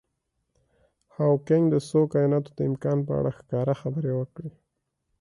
هاوکېنګ د څو کایناتونو د امکان په اړه ښکاره خبرې وکړي.